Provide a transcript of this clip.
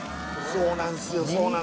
そうなんすよ